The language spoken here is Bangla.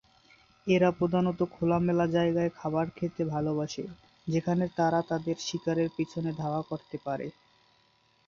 এরা প্রধানত খোলামেলা জায়গায় খাবার খেতে ভালোবাসে, যেখানে তারা তাদের শিকারের পিছনে ধাওয়া করতে পারে।